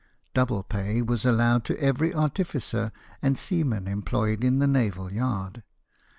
Double pay was allowed to every artificer and seaman employed in the naval yard.